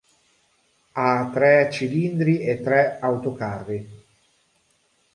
Ha tre cilindri e tre autocarri.